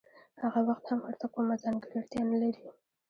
هغه وخت هم ورته کومه ځانګړې اړتیا نلري